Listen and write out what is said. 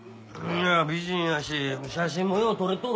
美人やし写真もよう撮れとるわ。